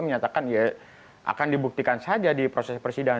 menyatakan ya akan dibuktikan saja di proses persidangan